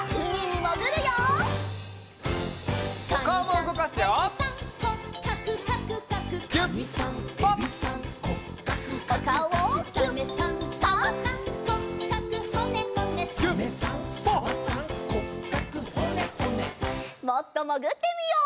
もっともぐってみよう。